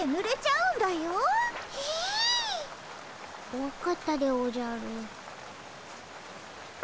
分かったでおじゃる。